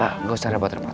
pak gak usah rapat rapat